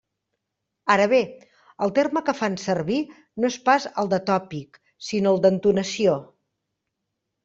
Ara bé: el terme que fan sevir no és pas el de tòpic, sinó el d'«entonació».